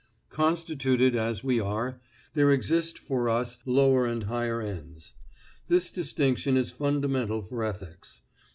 Constituted as we are, there exist for us lower and higher ends. This distinction is fundamental for ethics.